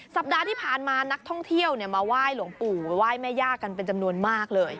สัปดาห์ที่ผ่านมานักท่องเที่ยวมาไหว้หลวงปู่ไหว้แม่ย่ากันเป็นจำนวนมากเลย